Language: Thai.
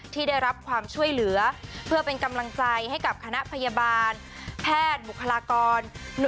ที่ได้รับความช่วยเหลือเพื่อเป็นกำลังใจให้กับคณะพยาบาลแพทย์บุคลากร